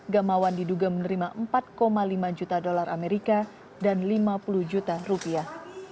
gamawan diduga menerima empat lima juta dolar amerika dan lima puluh juta rupiah